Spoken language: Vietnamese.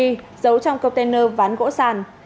giấu trong container ván gỗ sàn